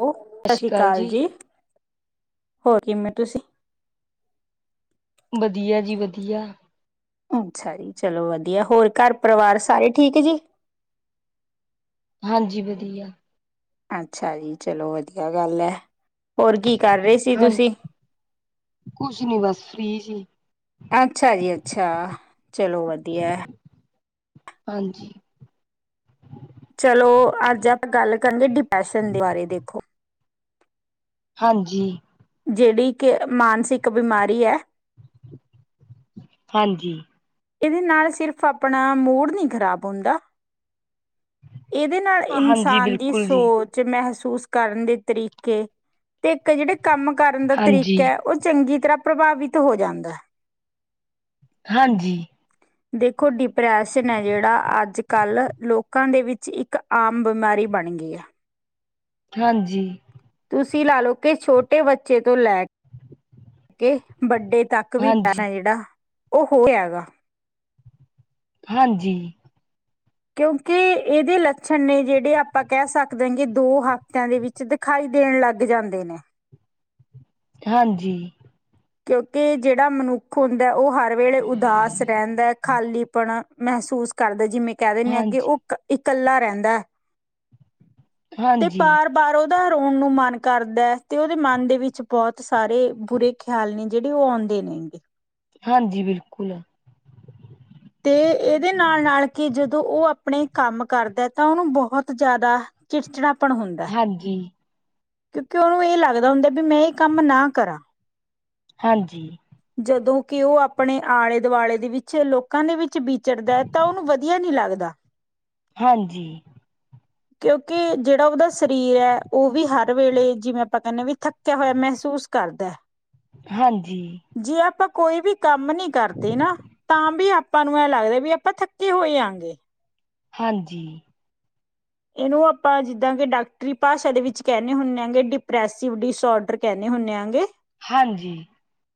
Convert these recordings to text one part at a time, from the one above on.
ਉਹ ਸਤਿ ਸ਼੍ਰੀ ਅਕਾਲ ਜੀ, ਹੋਰ ਕਿਵੇਂ ਤੁਸੀਂ? ਵਧੀਆ ਜੀ ਵਧੀਆ। ਅੱਛਾ ਜੀ ਚਲੋ ਵਧੀਆ, ਹੋਰ ਘਰ ਪਰਿਵਾਰ ਸਾਰੇ ਠੀਕ ਜੀ ਹਾਂਜੀ ਵਧੀਆ। ਅੱਛਾ ਜੀ, ਚਲੋ ਵਧੀਆ ਗੱਲ ਹੈ ਹੋਰ ਕੀ ਕਰ ਰਹੇ ਸੀ ਤੁਸੀਂ? ਹਾਂਜੀ ਕੁਛ ਨੀ, ਬਸ ਫ੍ਰੀ ਸੀ ਅੱਛਾ ਜੀ ਅੱਛਾ, ਚਲੋ ਵਧੀਆ। ਹਾਂਜੀ ਚਲੋ ਅੱਜ ਆਪਾਂ ਗੱਲ ਕਰਨਗੇ, ਡਿਪਰੈਸ਼ਨ ਦੇ ਬਾਰੇ ਦੇਖੋ ਹਾਂਜੀ। ਜਿਹੜੀ ਕਿ ਮਾਨਸਿਕ ਬਿਮਾਰੀ ਹੈ, ਹਾਂਜੀ- ਇਹਦੇ ਨਾਲ ਸਿਰਫ਼ ਆਪਣਾ ਮੂਡ ਨਹੀਂ ਖ਼ਰਾਬ ਹੁੰਦਾ, ਇਹਦੇ ਨਾਲ ਹਾਂਜੀ ਇਨਸਾਨ ਦੀ ਬਿਲਕੁਲ ਜੀ ਸੋਚ, 'ਚ ਮਹਿਸੂਸ ਕਰਨ ਦੇ ਤਰੀਕੇ ਤੇ ਇੱਕ ਜਿਹੜੇ ਕੰਮ ਕਰਨ ਦਾ ਹਾਂਜੀ ਤਰੀਕਾ ਹੈ ਉਹ ਚੰਗੀ ਤਰ੍ਹਾਂ ਪ੍ਰਭਾਵਿਤ ਹੋ ਜਾਂਦਾ ਹੈ। ਹਾਂਜੀ ਦੇਖੋ ਡਿਪਰੈਸ਼ਨ ਐ ਜਿਹੜਾ, ਅੱਜ-ਕੱਲ੍ਹ ਲੋਕਾਂ ਦੇ ਵਿੱਚ ਇੱਕ ਆਮ ਬਿਮਾਰੀ ਬਣ ਗੀ ਆ‌। ਹਾਂਜੀ। ਤੁਸੀਂ ਲਾ ਲਓ ਕਿ ਛੋਟੇ ਬੱਚੇ ਤੋਂ ਲੈ ਕੇ ਵੱਡੇ ਤੱਕ, ਇਕ ਵੀ ਡ ਹਾਂਜੀ ਜਿਹੜਾ ਉਹ ਹੋਇਆ ਗਾ। ਹਾਂਜੀ। ਕਿਉਂਕਿ ਇਹਦੇ ਲੱਛਣ ਨੇ ਜਿਹੜੇ ਆਪਾਂ ਕਹਿ ਸਕਦੇ ਹਾਂ ਕਿ ਦੋ ਹਫ਼ਤਿਆਂ ਦੇ ਵਿੱਚ ਵਿੱਚ ਦਿਖਾਈ ਦੇਣ ਲੱਗ ਜਾਂਦੇ ਨੇ ਹਾਂਜੀ- ਕਿਉਂਕਿ ਜਿਹੜਾ ਮਨੁੱਖ ਹੁੰਦਾ ਉਹ ਹਰ ਵੇਲੇ ਉਦਾਸ ਰਹਿੰਦਾ, ਖਾਲੀਪਣ ਮਹਿਸੂਸ ਕਰਦਾ, ਜਿਵੇਂ ਕਹਿ ਦਿੰਨੇ ਆ ਕਿ ਹਾਂਜੀ ਉਹ ਕ ਇਕੱਲਾ ਰਹਿੰਦਾ। ਤੇ ਹਾਂਜੀ ਪਾਰ ਬਾਰ ਉਹਦਾ ਰੋਣ ਨੂੰ ਮਨ ਕਰਦਾ ਹੈ ਤੇ ਉਹਦੇ ਮਨ ਦੇ ਵਿੱਚ ਬਹੁਤ ਸਾਰੇ ਬੁਰੇ ਖਿਆਲ ਨੇ ਜਿਹੜੇ ਉਹ ਆਉਂਦੇ ਨੇ ਗੇ- ਹਾਂਜੀ, ਬਿਲਕੁੱਲ। ਤੇ ਇਹਦੇ ਨਾਲ ਨਾਲ ਕਿ ਜਦੋਂ ਉਹ ਆਪਣੇ ਕੰਮ ਕਰਦਾ ਤਾਂ ਉਹਨੂੰ ਬਹੁਤ ਜ਼ਿਆਦਾ ਚਿੜਚੜਾਪਣ ਹੁੰਦਾ। ਹਾਂਜੀ। ਕਿਉਂਕਿ ਉਹਨੂੰ ਇਹ ਲੱਗਦਾ ਹੁੰਦਾ ਵੀ, ਮੈਂ ਇਹ ਕੰਮ ਨਾ ਕਰਾਂ ਹਾਂਜੀ। ਜਦੋਂ ਕਿ ਉਹ ਆਪਣੇ ਆਲੇ-ਦੁਆਲੇ ਦੇ ਵਿੱਚ ਲੋਕ ਕਾਂ ਦੇ ਵਿੱਚ ਬਿਚਰਦਾ ਐ ਤਾਂ ਉਹਨੂੰ ਵਧੀਆ ਨੀ ਲੱਗਦਾ। ਹਾਂਜੀ। ਕਿਉਂਕਿ ਜਿਹੜਾ ਉਹਦਾ ਸਰੀਰ ਹੈ ਉਹ ਵੀ ਹਰ ਵੇਲੇ ਜਿਵੇਂ ਆਪਾਂ ਕਹਿੰਦੇ ਵੀ ਥੱਕਿਆ ਹੋਇਆ ਮਹਿਸੂਸ ਕਰਦਾ ਹਾਂਜੀ। ਜੇ ਆਪਾਂ ਕੋਈ ਵੀ ਕੰਮ ਨੀ ਕਰਦੇ ਨਾ, ਤਾਂ ਵੀ ਆਪਾਂ ਨੂੰ ਇਹ ਲੱਗਦਾ ਵੀ ਆਪਾਂ ਥੱਕੇ ਹੋਏ ਆ ਗੇ। ਹਾਂਜੀ। ਇਹਨੂੰ ਆਪਾਂ ਜਿੱਦਾਂ ਕਿ ਡਾਕਟਰੀ ਭਾਸ਼ਾ ਦੇ ਵਿੱਚ ਕਹਿੰਨੇ ਹੁੰਨੇ ਆ ਗੇ ਡਿਪਰੈਸਿਵ ਡਿਸਓਡਰ। ਕਹਿੰਨੇ ਹੁੰਨੇ ਆ ਗੇ। ਹਾਂਜੀ।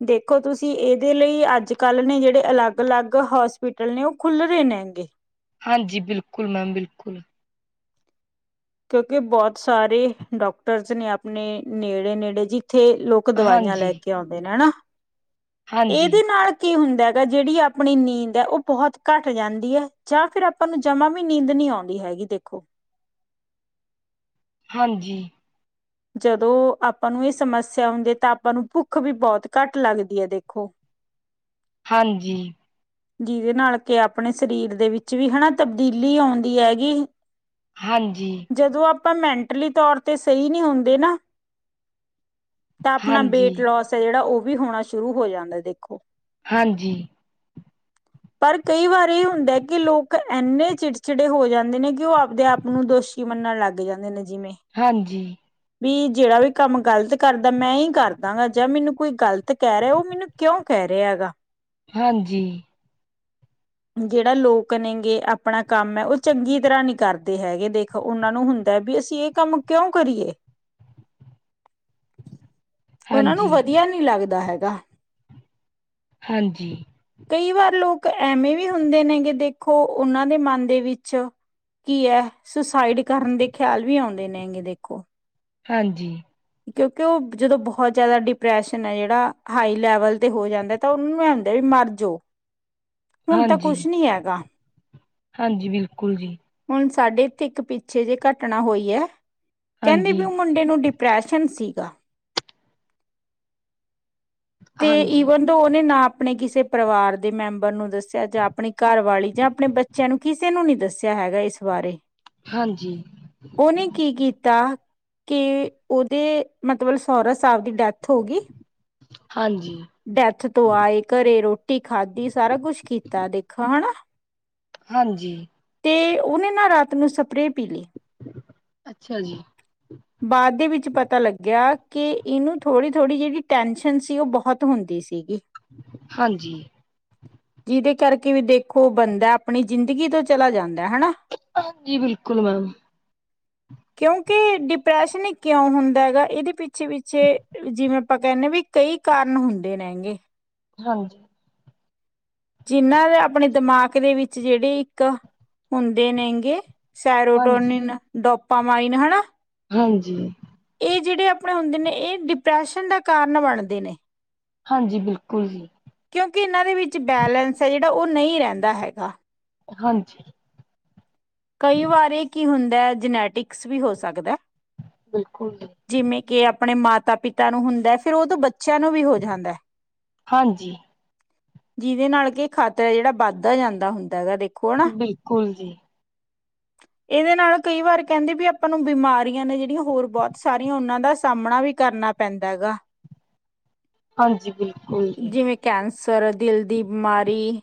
ਦੇਖੋ ਤੁਸੀਂ ਇਹਦੇ ਲਈ ਅੱਜ ਕੱਲ ਨੇ ਜਿਹੜੇ ਅਲੱਗ ਅਲੱਗ ਹੋਸਪਿਟਲ ਹੋਟਲ ਨੇ ਉਹ ਖੁੱਲ ਰਹੇ ਨੇ ਹੈਗੇ। ਹਾਂਜੀ ਬਿਲਕੁੱਲ ਮੈਮ ਬਿਲਕੁੱਲ। ਕਿਉਂਕਿ ਬਹੁਤ ਸਾਰੇ ਡਾਕਟਰਸ ਨੇ ਆਪਣੇ ਨੇੜੇ ਨੇੜੇ ਜਿੱਥੇ ਲੋਕ ਲੋਕ ਦਵਾਈਆਂ ਹਾਂਜੀ ਲੈ ਕੇ ਆਉਂਦੇ ਨੇ ਹਨਾ, ਹਾਂਜੀ ਇਹਦੇ ਨਾਲ ਕੀ ਹੁੰਦਾ ਹੈਗਾ ਜਿਹੜੀ ਆਪਣੀ ਨੀਂਦ ਹੈ ਉਹ ਬਹੁਤ ਘੱਟ ਜਾਂਦੀ ਹੈ ਜਾਂ ਫਿਰ- ਆਪਾਂ ਨੂੰ ਜਮਾ ਵੀ ਨੀਂਦ ਨੀ ਆਉਂਦੀ ਹੈਗੀ ਦੇਖੋ। ਹਾਂਜੀ। ਜਦੋਂ ਆਪਾਂ ਨੂੰ ਇਹ ਸਮੱਸਿਆ ਹੁੰਦੀ ਹੈ ਤਾਂ ਆਪਾਂ ਨੂੰ ਭੁੱਖ ਵੀ ਬਹੁਤ ਘੱਟ ਲੱਗਦੀ ਹੈ ਦੇਖੋ ਹਾਂਜੀ। ਜਿਹਦੇ ਨਾਲ ਕਿ ਆਪਣੇ ਸਰੀਰ ਦੇ ਵਿੱਚ ਵੀ ਹਨਾ ਤਬਦੀਲੀ ਆਉਂਦੀ ਹੈਗੀ ਹਾਂਜੀ। ਜਦੋਂ ਆਪਾਂ ਮੈਂਟਲੀ ਤੌਰ ਤੇ ਸਹੀ ਨਹੀਂ ਹੁੰਦੇ ਨਾ, ਤਾਂ ਆਪਣਾ ਹਾਂਜੀ ਵੇਟ ਲੋਸ ਐ ਜਿਹੜਾ ਉਹ ਵੀ ਹੋਣਾ ਸ਼ੁਰੂ ਹੋ ਜਾਂਦਾ ਦੇਖੋ। ਹਾਂਜੀ। ਪਰ ਕਈ ਵਾਰ ਇਹ ਹੁੰਦਾ ਕਿ ਲੋਕ ਇੰਨੇ ਚਿੜਚਿੜੇ ਹੋ ਜਾਂਦੇ ਨੇ, ਕਿ ਉਹ ਆਪਦੇ ਆਪ ਓਨੂੰ ਦੋਸ਼ੀ ਮੰਨਣ ਲੱਗ ਜਾਂਦੇ ਨੇ ਜਿਵੇਂ ਹਾਂਜੀ। ਵੀ ਜੇੜਾ ਵੀ ਕੰਮ ਗ਼ਲਤ ਕਰਦਾ, ਮੈਂ ਈ ਕਾਰਦਾ ਹ ਜਾਂ ਮੈਨੂੰ ਕੋਈ ਗ਼ਲਤ ਕੈ ਰੇਆ, ਓ ਮੈਨੂੰ ਕਯੋਂ ਕੈ ਰੇਆ ਏਗਾ ਹਾਂਜੀ। ਜੇੜਾ ਲੋਕ ਨੇ ਗੇ ਅਪਣਾ ਕਾੱਮ ਐ, ਓ ਚੰਗੀ ਤਰਾਂ ਨੀ ਕਰਦੇ ਹੈਗੇ ਦੇਖੋ ਉਨਾਂ ਨੂੰ ਹੁੰਦੈ ਵੀ ਅਸੀਂ ਇਹ ਕੰਮ ਕਯੋਂ ਕਰੀਏ ਓਨਾਂ ਨੂੰ ਹਾਂਜੀ ਵਦਿਆ ਨੀ ਲੱਗਦਾ ਹੈਗਾ। ਹਾਂਜੀ। ਕਈ ਵਾਰ ਲੋਕ ਐਵੇਂ ਵੀ ਹੁੰਦੇ ਨੇ ਗੇ ਦੇਖੋ, ਓਨਾਂ ਦੇ ਮਨ ਦੇ ਵਿੱਚ ਕੀ ਐ, ਸੁਸਾਈਡ ਕਰਨ ਦੇ ਖਿਆਲ ਵੀ ਆਓਂਦੇ ਨੇ ਗੇਂ ਦੇਖੋ ਹਾਂਜੀ। ਕਯੋਂਕਿ ਓ, ਜਦੋਂ ਬਹੋਤ ਜ਼ਿਆਦਾ ਡਿਪਰੈਸ਼ਨ ਐ ਜੇੜਾ ਹਾਈ ਲੈਵਲ ਤੇ ਹੋ ਜਾਂਦੈ ਤਾਂ ਓਨੂੰ ਐ ਹੁੰਦਾ ਵੀ ਮਰ ਜੋ। ਹਾਂਜੀ, ਹਾਂਜੀ ਬਿਲਕੁੱਲ ਜੀ। ਹੁਨ ਸਾਡੇ ਇੱਥੇ ਇੱਕ ਪਿੱਛੇ ਜੇ ਘਟਣਾ ਹੋਈ ਐ, ਕੈਨਦੇ ਵੀ ਓ ਹਾਂਜੀ ਮੁੰਡੇ ਨੂੰ ਡਿਪਰੈਸ਼ ਸ਼ਨ ਸੀਗਾ। ਤੇ ਹਾਂਜੀ ਈਵਨ ਦੋ ਓਨੇ ਨਾ ਅਪਣੇ ਕਿਸੇ ਪਰਿਵਾਰ ਦੇ ਮੈਂਬਰ ਨੂੰ ਦੱਸ ਦੱਸਿਆ ਜਾਂ, ਅਪਣੀ ਘਾੱਰ ਵਾਲੀ ਜਾਂ, ਅਪਣੇ ਬੱਚੇਆਂ ਨੂੰ, ਕਿਸੇ ਨੂੰ ਨੀ ਦੱਸੇਆ ਹੈਗਾ ਇਸ ਬਾਰੇ ਹਾਂਜੀ। ਓਨੇ ਕੀ ਕੀਤਾ ਕੀ ਓਦੇ ਮਤਬਲ ਸੌਰਾ ਸਾਬ ਦੀ ਡੈਥ ਹੋ ਗੀ ਹਾਂਜੀ। ਡੈਥ ਤੋਂ ਆਏ, ਘੱਰੇ ਰੋਟੀ ਖਾਦੀ ਸਾਰਾ ਕੁਛ ਕੀਤਾ ਦੇਖੋ ਹਣਾ ਹਾਂਜੀ। ਤੇ, ਓਨੇ ਨਾ ਰਾਤ ਨੂੰ ਸਪਰੇ ਪੀ ਲੀ ਅੱਛਾ ਜੀ। ਬਾਦ ਦੇ ਵਿੱਚ ਪਤਾ ਲੱਗੇਆ, ਕਿ ਇਨੂੰ ਥੋੜੀ-ਥੋੜੀ ਜਿਹੜੀ ਟੈਂਸ਼ਨ ਸ਼ਨ ਸੀ, ਓ ਬੋਹਤ ਹੁੰਦੀ ਸੀ ਗੀ ਹਾਂਜੀ। ਜਿਦੇ ਕਰਕੇ ਵੀ ਦੇਖੋ ਬੰਦਾ ਅਪਣੀ ਜ਼ਿਦੰਗੀ ਤੋਂ ਚਲਾ ਜਾਂਦੈ, ਹਣਾ ਹਾਂਜੀ, ਬਿਲਕੁਲ ਮੈਮ। ਕਯੋਂਕਿ ਡਿਪਰੈਸ਼ਨ ਈ ਕਯੋਂ ਹੁੰਦਾ ਹੈਗਾ, ਇਦੇ ਪਿ ਵਿੱਚੇ-ਵਿੱਚੇ, ਜਿਵੇਂ ਅਪਾਂ ਕੈਨੇ ਆ ਵਈ ਕਈ ਕਾਰਨ ਹੁੰਦੇ ਨੈਂ ਗੇ ਹਾਂਜੀ। ਜਿੰਨਾਂ ਦੇ ਅਪਣੇ ਦਿਮਾਕ ਦੇ ਵਿੱਚ ਜੇੜੇ ਇੱਕ, ਹੁੰਦੇ ਨੇੰਗੇ ਸੈਰੋ ਹਾਂਜੀ ਡੋਨਿਨ, ਡੋਪਾਮਾਈਨ ਹਣਾ ਹਾਂਜੀ। ਇਹ ਜੇੜੇ ਅਪਣੇ ਹੁੰਦੇ ਨੇ, ਏ ਡਿਪ੍ਰੈਸ਼ਨ ਦਾ ਕਾਰਨ ਬਣਦੇ ਨੇ। ਹਾਂਜੀ, ਬਿਲਕੁਲ ਜੀ। ਕਯੋਂਕਿ ਇਨਾਂ ਦੇ ਵਿੱਚ ਬੈਲੇੈਂਸ ਐ ਜੜਾ ਓ ਨਈ ਰੈਂਦਾ ਹੈਗਾ। ਹਾਂਜੀ। ਕਈ ਵਾਰੀ ਕੀ ਹੁੰਦਾ ਹੈ, ਜਨੈਟਿਕਸ ਵੀ ਹੋ ਸਕਦੈ। ਬਿਲਕੁਲ ਜੀ। ਜਿਮੇ ਕਿ ਅਪਣੇ ਮਾਤਾ-ਪਿਤਾ ਨੂੰ ਹੁੰਦੈ, ਫੇਰ ਓਦੋਂ ਬੱਚੇਆਂ ਨੂੰ ਵੀ ਹੋ ਜਾਂਦੈ। ਹਾਂਜੀ। ਜਿਦੇ ਨਾਲ ਕਿ ਖਾਤ ਐ ਜੜਾ ਬਾਦ ਓ ਜਾਂਦਾ ਹੁੰਦਾ ਹੈਗਾ ਦੇਖ ਬਿਲਕੁਲ ਜੀ। ਏਦੇ ਨਾਲ ਕਈ ਵਾਰ ਕੈਂਦੇ ਵੀ ਅਪਾਂ ਨੂੰ ਬਿਮਾਰੀਆਂ ਨੇ ਜੇੜੀਆਂ ਹੋਰ ਬੋਤ ਸਾਰੀਆਂ ਓਨਾਂ ਦਾ ਸਾਮਣਾ ਵੀ ਕਰਨਾ ਪੈਂਦਾ ਐਗਾ। ਹਾਂਜੀ ਬਿਲਕੁਲ ਜੀ। ਜਿਵੇਂ ਕੈਂਸਰ, ਦਿਲ ਦੀ ਬਿਮਾਰੀ।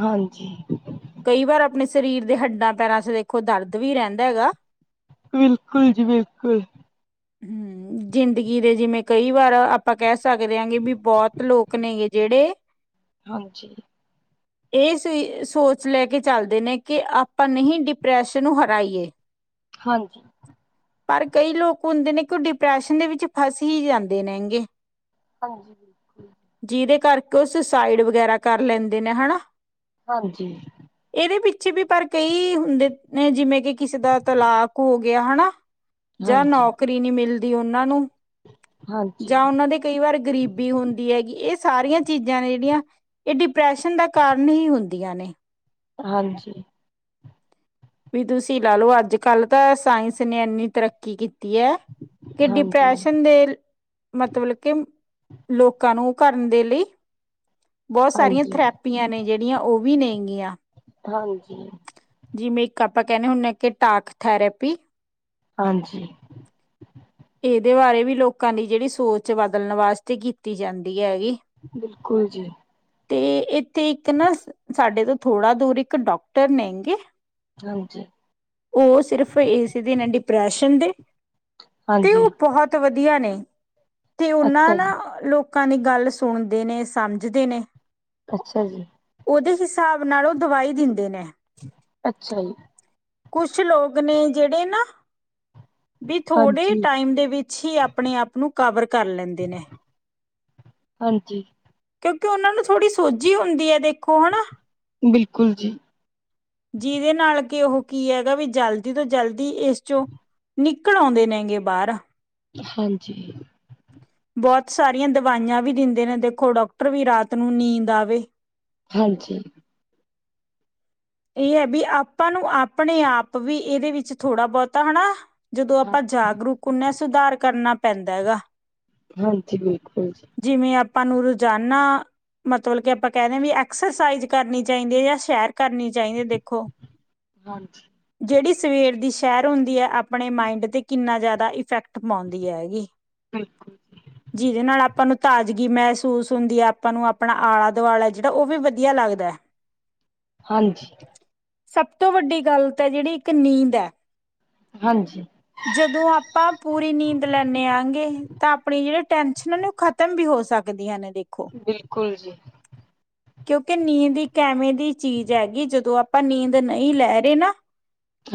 ਹਾਂਜੀ। ਕਈ ਵਾਰ ਆਪਣੇ ਸਰੀਰ ਦੇ ਹੱਡਾਂ ਪੈਰਾਂ ਚ ਦੇਖੋ। ਦਰਦ ਵੀ ਰਹਿੰਦਾ ਹੈਗਾ। ਬਿਲਕੁਲ ਜੀ ਬਿਲਕੁਲ। ਹੂੰ, ਜ਼ਿੰਦਗੀ ਦੇ ਜਿਵੇਂ ਕਈ ਵਾਰ। ਆਪਾਂ ਕਹਿ ਸਕਦੇ ਹਾਂ ਕੀ, ਵੀ ਬਹੁਤ ਲੋਕ ਨੇਗੇ ਜਿਹੜੇ ਹਾਂਜੀ ਇਹ ਸ ਸੋਚ ਲੈ ਕੇ ਚੱਲਦੇ ਨੇ ਕਿ, ਆਪਾਂ ਨਹੀਂ ਡਿਪਰੈਸ਼ਨ ਨੂੰ ਹਰਾਈ ਏ। ਹਾਂਜੀ। ਪਰ ਕਈ ਲੋਕ ਹੁੰਦੇ ਨੇ, ਕਿ ਉਹ ਡਿਪਰੈਸ਼ਨ ਦੇ ਵਿੱਚ ਫਸ ਹੀ ਜਾਂਦੇ ਨੇਗੇ। ਹਾਂਜੀ ਬਿਲਕੁਲ। ਜਿਹਦੇ ਕਰਕੇ ਉਹ ਸੁਸਾਈਡ ਵਗੈਰਾ ਕਰ ਲੈਂਦੇ ਨੇ ਹਨਾ। ਹਾਂਜੀ। ਇਹਦੇ ਪਿੱਛੇ ਵੀ ਪਰ ਕਈ ਹੁੰਦੇ ਨੇ, ਜਿਵੇਂ ਕਿ ਕਿਸੇ ਦਾ ਤਲਾਕ ਹੋ ਗਿਆ ਹਨਾ। ਜਾਂ ਹਾਂਜੀ, ਨੌਕਰੀ ਨੀ ਮਿਲਦੀ ਉਹਨਾਂ ਨੂੰ ਹਾਂਜੀ, ਜਾਂ ਉਹਨਾਂ ਦੇ ਕਈ ਵਾਰ ਗਰੀਬੀ ਹੁੰਦੀ ਹੈਗੀ। ਇਹ ਸਾਰੀਆਂ ਚੀਜ਼ਾਂ ਨੇ ਜਿਹੜੀਆਂ ਇਹ ਡਿਪ੍ਰੈਸ਼ਨ ਦਾ ਕਾਰਨ ਹੀ ਹੁੰਦੀਆਂ ਨੇ। ਹਾਂਜੀ। ਵੀ ਤੁਸੀਂ ਲਾ ਲੋ। ਅੱਜ ਕੱਲ ਤਾਂ ਸਾਇੰਸ ਨੇ ਇੰਨੀ ਤਰੱਕੀ ਕੀਤੀ। ਤੀ ਐ। ਤੇ ਹਾਂਜੀ, ਡਿਪ੍ਰੈਸ਼ਨ ਦੇ ਮਤਲਬ ਕਿ, ਲੋਕਾਂ ਨੂੰ ਕਰਨ ਦੇ ਲਈ ਬਹੁਤ ਸਾਰੀਆਂ ਹਾਂਜੀ, ਥਰੈਪੀਆਂ ਨੇ ਜਿਹੜੀਆਂ। ਉਹ ਵੀ ਨੇਗੀਆਂ। ਜਿਵੇਂ ਇੱਕ ਆਪਾਂ ਕਹਿੰਦੇ ਹੁੰਦੇ। ਕਿ ਟਾਕ ਥੈਰੇਪੀ ਹਾਂਜੀ। ਇਹਦੇ ਬਾਰੇ ਵੀ ਲੋਕਾਂ ਦੀ ਜਿਹੜੀ ਸੋਚ ਬਦਲਣ ਵਾਸਤੇ ਕੀਤੀ ਜਾਂਦੀ ਹੈਗੀ। ਬਿਲਕੁਲ ਜੀ। ਤੇ ਇੱਥੇ ਇੱਕ ਨਾ ਸਾਡੇ ਤੋਂ ਥੋੜਾ ਦੂਰ ਇੱਕ ਡਾਕਟਰ ਨੇਗੇ। ਹਾਂਜੀ। ਉਹ ਸਿਰਫ ਇਸ ਦੇ ਨੇ ਡਿਪਰੈਸ਼ਨ ਦੇ। ਤੇ ਉਹ ਹਾਂਜੀ। ਬਹੁਤ ਵਧੀਆ ਨੇ, ਤੇ ਅੱਛਾ ਉਹਨਾਂ ਜੀ, ਨਾ ਲੋਕ ਲੋਕਾਂ ਦੀ ਗੱਲ ਸੁਣਦੇ ਨੇ, ਸਮਝਦੇ ਨੇ ਅੱਛਾ ਜੀ। ਉਹਦੇ ਹਿਸਾਬ ਨਾਲ ਉਹ ਦਵਾਈ ਦਿੰਦੇ ਨੇ। ਅੱਛਾ ਜੀ। ਕੁਛ ਲੋਕ ਨੇ ਜਿਹੜੇ ਨਾ। ਵੀ ਥੋੜੇ ਹਾਂਜੀ, ਟਾਈਮ ਦੇ ਵਿੱਚ ਹੀ। ਆਪਣੇ ਆਪ ਨੂੰ ਕਵਰ ਕਰ ਲੈਂਦੇ ਨੇ। ਹਾਂਜੀ। ਕਿਉਂਕਿ ਉਹਨਾ ਨੂੰ ਥੋੜ੍ਹੀ ਸੋਝੀ ਹੁੰਦੀ ਹੈ ਦੇਖੋ ਹਨਾ। ਬਿਲਕੁਲ ਜੀ, ਜਿਹਦੇ ਨਾਲ ਕਿ ਉਹ ਕੀ ਹੈਗਾ ਵੀ, ਜਲਦੀ ਤੋਂ ਜਲਦੀ ਇਸ ਚੋਂ ਨਿਕਲ ਆਉਂਦੇ ਨੇਗੇ ਬਾਹਰ। ਹਾਂਜੀ। ਬਹੁਤ ਸਾਰੀਆਂ ਦਵਾਈਆਂ ਵੀ ਦਿੰਦੇ ਨੇ ਦੇਖੋ। ਡਾਕਟਰ ਵੀ ਰਾਤ ਨੂੰ ਨੀਂਦ ਆਵੇ। ਹਾਂਜੀ। ਇਹ ਹੈ ਬੀ ਆਪਾਂ ਨੂੰ ਆਪਣੇ ਆਪ ਵੀ ਇਹਦੇ ਵਿੱਚ ਥੋੜਾ ਬਹੁਤਾ ਹਨਾ। ਜਦੋਂ ਆਪਾਂ ਹਾਂਜੀ, ਜਾਗਰੂਕ ਹੁਨੇ ਆ ਸੁਧਾਰ ਕਰਨਾ ਪੈਂਦਾ ਹੈਗਾ। ਹਾਂਜੀ ਬਿਲਕੁਲ ਜੀ। ਜਿਵੇਂ ਆਪਾਂ ਨੂੰ ਰੋਜਾਨਾ। ਮਤਲਬ ਕਿ ਆਪਾਂ ਕਹਿੰਦੇ ਹਾਂ ਵੀ। ਐਕਸਰਸਾਈਜ਼ ਕਰਨੀ ਚਾਹੀਦੀ ਹੈ ਜਾਂ ਸ਼ੈਰ ਕਰਨੀ ਚਾਹੀਦੀ ਦੇਖੋ। ਹਾਂਜੀ, ਜਿਹੜੀ ਸਵੇਰ ਦੀ ਸੈਰ ਹੁੰਦੀ ਹੈ ਆਪਣੇ ਮਾਇੰਡ ਤੇ ਕਿੰਨਾ ਜ਼ਿਆਦਾ ਇਫੈਕਟ। ਪਾਉਂਦੀ ਹੈਗੀ ਬਿਲਕੁਲ ਜੀ, ਜਿਹਦੇ ਨਾਲ ਆਪਾਂ ਨੂੰ। ਤਾਜ਼ਗੀ ਮਹਿਸੂਸ ਹੁੰਦੀ ਹੈ ਆਪਾਂ ਨੂੰ ਆਪਣਾ ਆਲਾ ਦੁਆਲਾ ਜਿਹੜਾ ਉਹ ਵੀ ਵਧੀਆ ਲੱਗਦਾ। ਹਾਂਜੀ ਸਭ ਤੋਂ ਵੱਡੀ ਗੱਲ ਤਾਂ ਜਿਹੜੀ ਇੱਕ ਨੀਂਦ ਹੈ। ਹਾਂਜੀ ਜਦੋਂ ਆਪਾਂ ਪੂਰੀ ਨੀਂਦ ਲੈਦੇ ਆਗੇ ਤਾਂ ਆਪਣੀ ਜਿਹੜੀ ਟੈਨਸ਼ਨ ਉਹ ਖਤਮ। ਖ਼ਤਮ ਵੀ ਹੋ ਸਕਦੀਆਂ ਨੇ ਦੇਖੋ। ਬਿਲਕੁਲ ਜੀ। ਕਿਉਂਕਿ ਨੀਂਦ ਇੱਕ ਐਵੇਂ ਦੀ ਚੀਜ਼ ਹੈਗੀ ਜਦੋਂ ਆਪਾਂ ਨੀਂਦ ਨਹੀਂ ਲੈ ਰਹੇ ਨਾ।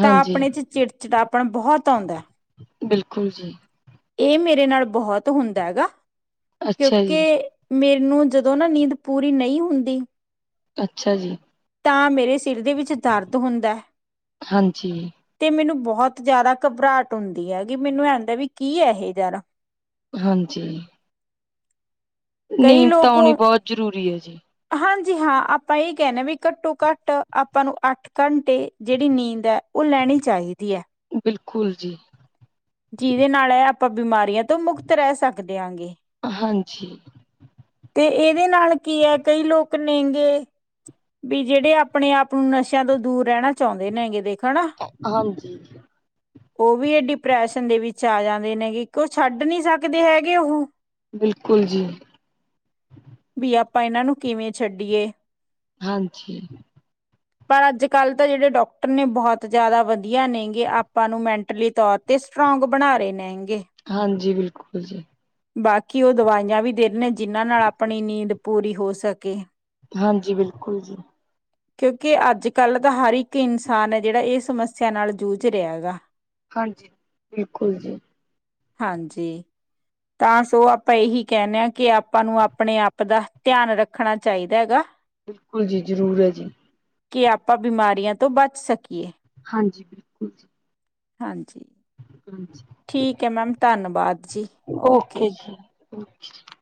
ਤਾਂ ਆਪਣੇ ਚ ਚਿੜਚਿੜਾਪਣ ਬਹੁਤ ਆਉਂਦਾ। ਬਿਲਕੁਲ ਜੀ। ਇਹ ਮੇਰੇ ਨਾਲ ਬਹੁਤ ਹੁੰਦਾ ਹੈਗਾ ਅੱਛਾ ਜੀ, ਕਿਉਂਕਿ। ਮੈਂਨੂੰ ਜਦੋਂ ਨਾ ਨੀਂਦ ਪੂਰੀ ਨਹੀਂ ਹੁੰਦੀ। ਅੱਛਾ ਜੀ। ਤਾਂ ਮੇਰੇ ਸਿਰ ਦੇ ਵਿੱਚ ਦਰਦ ਹੁੰਦਾ ਹੈ। ਹਾਂਜੀ। ਤੇ ਮੈਨੂੰ ਬਹੁਤ ਜ਼ਿਆਦਾ ਘਬਰਾਹਟ ਹੁੰਦੀ ਹੈਗੀ ਮੈਨੂੰ ਇਹ ਹੁੰਦਾ ਵੀ ਕੀ ਹੈ ਇਹ ਯਾਰ। ਹਾਂਜੀ। ਕਈ ਨੀਂਦ ਤਾਂ ਲੋਕ ਆਉਣੀ ਬਹੁਤ ਜ਼ਰੂਰੀ ਹੈ ਜੀ। ਹਾਂਜੀ ਹਾਂ, ਆਪਾਂ ਇਹ ਕਹਿਿੰਣੇ ਹ ਵੀ ਘੱਟੋ ਘੱਟ ਆਪਾਂ ਨੂੰ ਅੱਠ ਘੰਟੇ ਜਿਹੜੀ ਨੀਂਦ ਹੈ। ਉਹ ਲੈਣੀ ਚਾਹੀਦੀ ਹੈ। ਬਿਲਕੁਲ ਜੀ। ਜਿਹਦੇ ਨਾਲ ਹੈ ਆਪਾਂ ਬਿਮਾਰੀਆਂ ਤੋਂ ਮੁਕਤ ਰਹਿ ਸਕਦੇ ਹਾਂ ਗੇ। ਹਾਂਜੀ ਤੇ ਇਹਦੇ ਨਾਲ ਕੀ ਹੈ ਕਈ ਲੋਕ ਨੇਗੇ। ਵੀ ਜਿਹੜੇ ਆਪਣੇ ਆਪ ਨੂੰ ਨਸ਼ਿਆਂ ਤੋਂ ਦੂਰ ਰਹਿਣਾ ਚਾਹੁੰਦੇ ਨੇ ਹੈਗੇ ਦੇਖ ਹੈ ਨਾ। ਹਾਂਜੀ। ਉਹ ਵੀ ਇਹ ਡਿਪਰੈਸ਼ਨ ਦੇ ਵਿੱਚ ਆ ਜਾਂਦੇ ਨੇਗੇ ਕਿਉ ਛੱਡ ਨੀ ਸਕਦੇ ਹੈਗੇ ਉਹ। ਬਿਲਕੁਲ ਜੀ। ਵੀ ਆਪਾਂ ਇਹਨਾਂ ਨੂੰ ਕਿਵੇਂ ਛੱਡੀਏ। ਹਾਂਜੀ। ਪਰ ਅੱਜ ਕੱਲ੍ਹ ਤਾਂ ਜਿਹੜੇ ਡਾਕਟਰ ਨੇ ਬਹੁਤ। ਜ਼ਿਆਦਾ ਵਧੀਆ ਨੇ ਗੇ ਆਪਾਂ ਨੂੰ ਮੈਂਟਲੀ ਤੌਰ ਤੇ ਸਟਰੋਂਗ ਬਣਾ ਰਹੇ ਨੇ ਗੇ। ਹਾਂਜੀ, ਬਿਲਕੁਲ ਜੀ। ਬਾਕੀ ਉਹ ਦਵਾਈਆਂ ਵੀ ਦਿੰਨੇ ਜਿਨ੍ਹਾਂ ਨਾਲ ਆਪਣੀ ਨੀਂਦ ਪੂਰੀ ਹੋ ਸਕੇ। ਹਾਂਜੀ, ਬਿਲਕੁਲ ਜੀ। ਕਿਉਂਕਿ ਅੱਜ ਕੱਲ੍ਹ ਦਾ ਹਰ ਇੱਕ ਇਨਸਾਨ ਹੈ ਜਿਹੜਾ ਇਹ ਸਮੱਸਿਆ ਨਾਲ ਜੂਝ ਰਿਹਾ ਹੈਗਾ। ਹਾਂਜੀ, ਬਿਲਕੁਲ ਜੀ। ਹਾਂਜੀ, ਤਾਂ ਸੋ ਆਪਾਂ ਇਹੀ ਕਹਿਣੇ ਹਾਂ ਕਿ ਆਪਾ। ਆਪਾਂ ਨੂੰ ਆਪਣੇ ਆਪ ਦਾ ਧਿਆਨ ਰੱਖਣਾ ਚਾਹੀਦਾ ਹੈਗਾ। ਬਿਲਕੁਲ ਜੀ, ਜ਼ਰੂਰ ਹੈ ਜੀ। ਕਿ ਆਪਾਂ ਬਿਮਾਰੀਆਂ ਤੋਂ ਬਚ ਸਕੀਏ। ਹਾਂਜੀ, ਬਿਲਕੁਲ ਜੀ। ਹਾਂਜੀ, ਹਾਂਜੀ। ਠੀਕ ਹੈ, ਮੈਮ ਧੰਨਵਾਦ ਜੀ, ਓਕੇ। [inaudible]